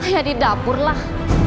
ya di dapur lah